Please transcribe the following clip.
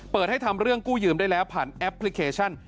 ให้ทำเรื่องกู้ยืมได้แล้วผ่านแอปพลิเคชัน